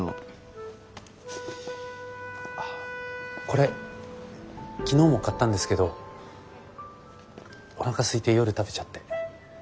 これ昨日も買ったんですけどおなかすいて夜食べちゃって。